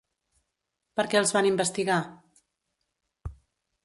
Per què els van investigar?